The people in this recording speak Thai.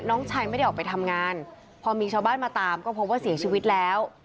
น้องชายไม่ได้ออกไปทำงานพอมีชาวบ้านมาตามก็พบว่าเสียชีวิตแล้ว